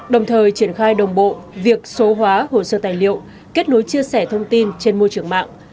đồng thời triển khai đồng bộ việc số hóa hồ sơ tài liệu kết nối chia sẻ thông tin trên môi trường mạng